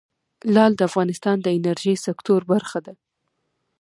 لعل د افغانستان د انرژۍ سکتور برخه ده.